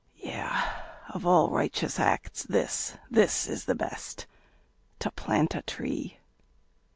Yea, of all righteous acts, this, this is best, To plant a tree.